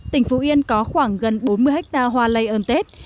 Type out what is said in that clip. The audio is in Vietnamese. tỉnh phú yên có khoảng gần bốn mươi hectare hoa lây ơn tết